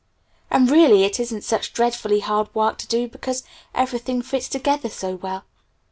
And really, it isn't such dreadfully hard work to do, because everything fits together so well.